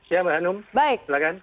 ya mbak hanum silahkan